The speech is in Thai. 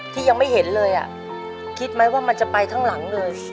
ที่ยังไม่เห็นเลยคิดไหมว่ามันจะไปทั้งหลังเลย